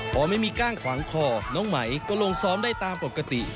พอไม่มีก้างขวางคอน้องไหมก็ลงซ้อมได้ตามปกติ